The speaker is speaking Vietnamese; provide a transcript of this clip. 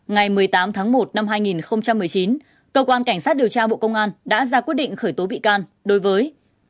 ngày một mươi tám tháng một năm hai nghìn một mươi chín cơ quan cảnh sát điều tra bộ công an đã ra quyết định khởi tố bị can đối với